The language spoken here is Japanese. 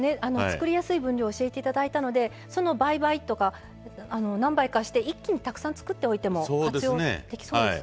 作りやすい分量を教えて頂いたのでその倍倍とか何倍かして一気にたくさん作っておいても活用できそうですね。